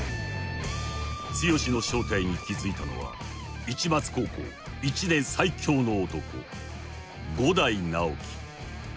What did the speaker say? ［剛の正体に気付いたのは市松高校１年最強の男伍代直樹］